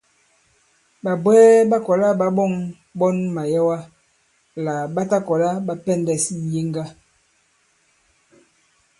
Ɓàbwɛɛ ɓa kɔ̀la ɓa ɓɔ̂ŋ ɓɔn màyɛwa lā ɓa ta kɔ̀la ɓa pɛndɛ̄s ŋ̀yeŋga.